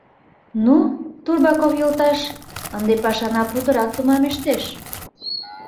— Ну, Турбаков йолташ, ынде пашана путырак томамештеш...